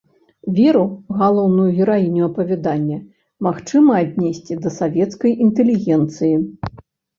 Веру, галоўную гераіню апавядання, магчыма аднесці да савецкай інтэлігенцыі.